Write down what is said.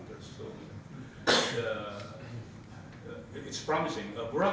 jadi itu sangat berharga